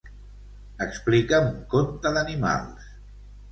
Explica'm un conte d'animals.